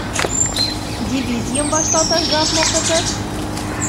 Дивизийым вашталташ жап мо кызыт?..